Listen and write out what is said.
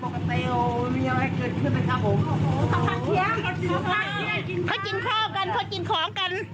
เขาจิ้นข้อมกันเขาจิ้นของกัน